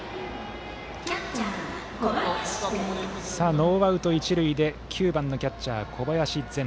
ノーアウト、一塁で９番キャッチャーの小林然。